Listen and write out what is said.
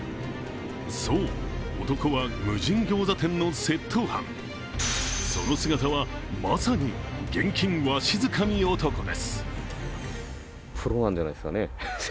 そう、男は無人ギョーザ店の窃盗犯その姿はまさに現金わしづかみ男です。